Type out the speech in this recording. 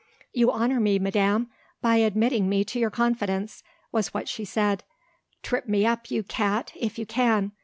"You honour me, madam, by admitting me to your confidence" was what she said. "Trip me up, you cat, if you can!"